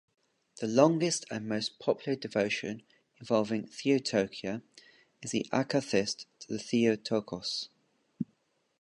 The longest and most popular devotion involving Theotokia is the Akathist to the Theotokos.